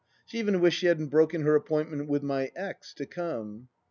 ... She even wished she hadn't broken her appointment with my " ex," to come.